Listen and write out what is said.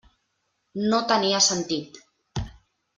No tenia sentit.